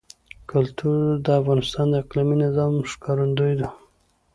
کلتور د افغانستان د اقلیمي نظام ښکارندوی ده.